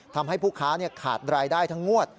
ทำให้ผู้ค้าขาดรายได้ทั้งงวด